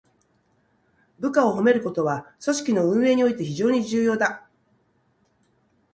部下を褒めることは、組織の運営において非常に重要だ。